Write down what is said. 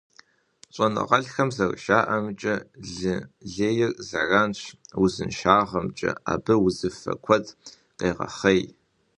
ЩӀэныгъэлӀхэм зэрыжаӀэмкӀэ, лы лейр зэранщ узыншагъэмкӀэ, абы узыфэ куэд къегъэхъей.